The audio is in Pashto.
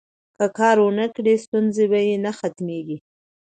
که کار ونکړي، ستونزې به یې نه ختمیږي.